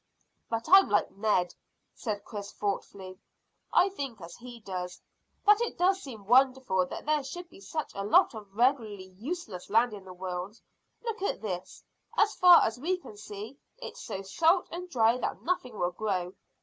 "But I'm like Ned," said Chris thoughtfully; "I think as he does, that it does seem wonderful that there should be such a lot of regularly useless land in the world. Look at this: as far as we can see it's so salt and dry that nothing will grow.